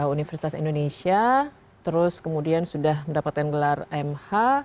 universitas indonesia terus kemudian sudah mendapatkan gelar mh